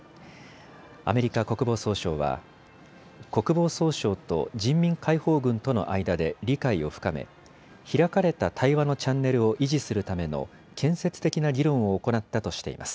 アメリカ国防総省は国防総省と人民解放軍との間で理解を深め、開かれた対話のチャンネルを維持するための建設的な議論を行ったとしています。